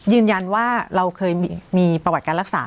ยืนยันว่าเราเคยมีประวัติการรักษา